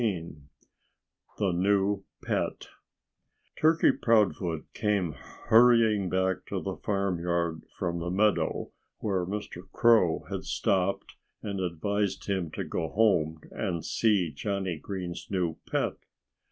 XIII THE NEW PET Turkey Proudfoot came hurrying back to the farmyard from the meadow where Mr. Crow had stopped and advised him to go home and see Johnnie Green's new pet.